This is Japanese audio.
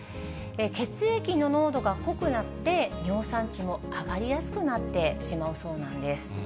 血液の濃度が濃くなって、尿酸値も上がりやすくなってしまうそうなんです。